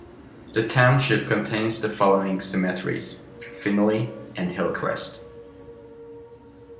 The township contains the following cemeteries: Finnelly and Hillcrest.